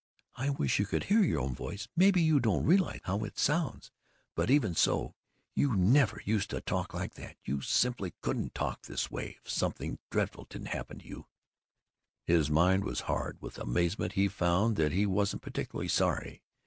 "I wish you could hear your own voice! Maybe you don't realize how it sounds. But even so You never used to talk like that. You simply couldn't talk this way if something dreadful hadn't happened to you." His mind was hard. With amazement he found that he wasn't particularly sorry.